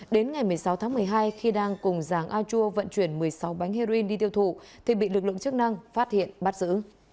đến ngày một mươi sáu tháng một mươi hai khi đang cùng giảng a chua vận chuyển một mươi sáu bánh heroin đi tiêu thụ thì bị lực lượng chức năng phát hiện bắt giữ